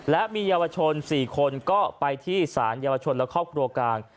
และมีเยาวชน๔คนก็ไปที่สารเยาวชนและครอบครัวกลาง